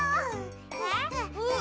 えっ？